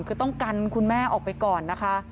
คือต้องกันคุณแม่ออกไปก่อนนะคะ